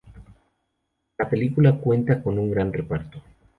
La película cuenta con un gran reparto.